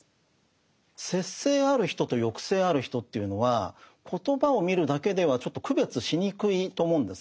節制ある人と抑制ある人というのは言葉を見るだけではちょっと区別しにくいと思うんですね。